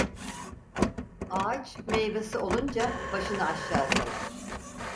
Ağaç, meyvesi olunca başını aşağı salar.